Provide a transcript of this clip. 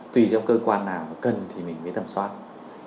tùy theo cơ quan nào mà cần thì mình mới tầm soát